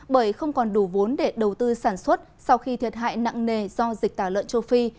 bởi không còn đủ vốn để đầu tư sản xuất sau khi thiệt hại nặng nề do dịch tả lợn châu phi